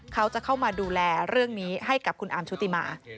เขาจะเข้ามาดูแลเรื่องนี้ให้กับคุณอาร์มชุติมา